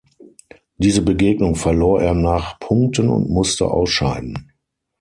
Diese Begegnung verlor er nach Punkten und musste ausscheiden.